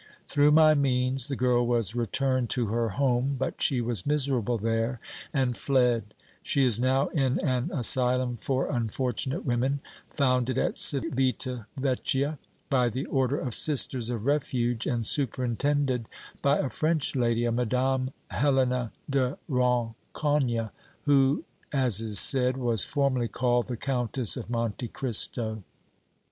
Through my means the girl was returned to her home, but she was miserable there and fled; she is now in an asylum for unfortunate women founded at Civita Vecchia by the Order of Sisters of Refuge, and superintended by a French lady, a Madame Helena de Rancogne, who, as is said, was formerly called the Countess of Monte Cristo.